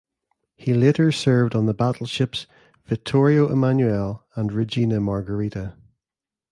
He later served on the battleships "Vittorio Emanuele" and "Regina Margherita".